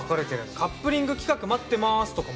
「カップリング企画待ってます」とか毎回必ず。